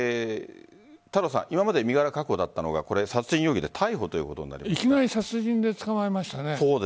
今まで身柄確保だったのが殺人容疑で逮捕いきなり殺人で捕まえましたね。